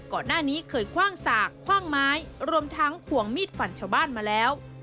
ก่อนหน้านี้เคยคว่างสากคว่างไม้รวมทั้งควงมีดฝันชาวบ้านมาแล้ว